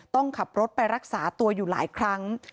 ต้องขับรถไปรักษาตัวอยู่หลายครั้ง